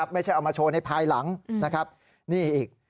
ไม่ใช่เอามาโชว์ในภายหลังนะครับนี่อีก